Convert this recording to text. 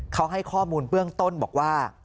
เขาให้ข้อมูลเบื้องต้นบอกว่า